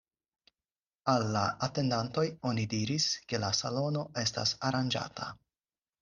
Al la atendantoj oni diris, ke la salono estas aranĝata.